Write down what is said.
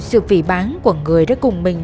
sự phỉ bán của người đã cùng mình